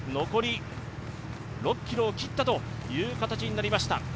残り６ｋｍを切った形になりました。